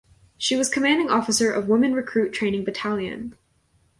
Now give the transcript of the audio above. She was commanding officer of Woman Recruit Training Battalion.